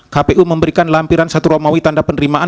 kpu memberikan lampiran satu romawi tanda penerimaan